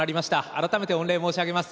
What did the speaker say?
改めて御礼申し上げます。